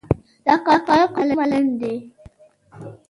د حقایقو منل ده.